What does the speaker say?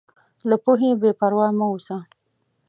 له پوهې بېپروا مه اوسه.